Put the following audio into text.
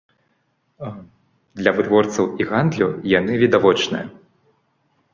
Для вытворцаў і гандлю яны відавочныя.